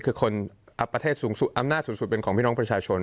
คืออำนาจสูงสุดเป็นของพี่น้องประชาชน